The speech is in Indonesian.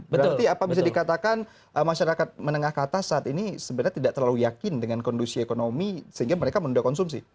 berarti apa bisa dikatakan masyarakat menengah ke atas saat ini sebenarnya tidak terlalu yakin dengan kondisi ekonomi sehingga mereka menunda konsumsi